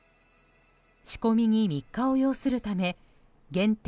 仕込みに３日を要するため限定